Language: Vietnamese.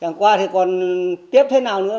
chẳng qua thì còn tiếp thế nào nữa